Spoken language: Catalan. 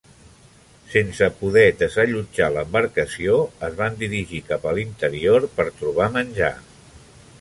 Sense poder desallotjar l'embarcació, es van dirigir cap a l'interior per trobar menjar.